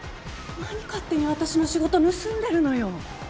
何勝手に私の仕事盗んでるのよ。